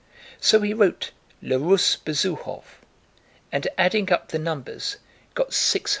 So he wrote Le russe Besuhof and adding up the numbers got 671.